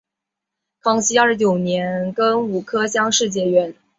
康熙二十九年庚午科乡试解元。